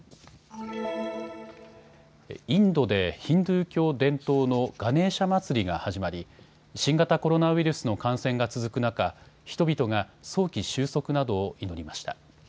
インドでヒンドゥー教伝統のガネーシャ祭りが始まり新型コロナウイルスの感染が続く中、人々が早期収束などを祈りました。